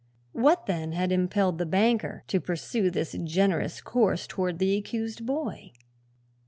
What, then, had impelled the banker to pursue this generous course toward the accused boy?